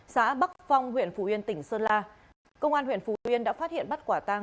xã bắc phong huyện phủ yên tỉnh sơn la công an huyện phú yên đã phát hiện bắt quả tang